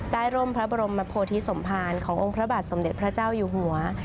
ร่มพระบรมโพธิสมภารขององค์พระบาทสมเด็จพระเจ้าอยู่หัว